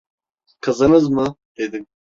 "Kızınız mı?" dedim!